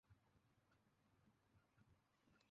তাঁদের সবার হাতে চাল নেওয়ার জন্য বাড়ি থেকে আনা খালি বস্তা।